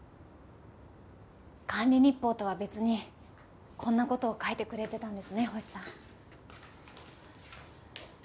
管理日報とは別にこんな事書いてくれてたんですね星さん。